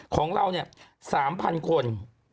ของเรา๓๐๐๐คน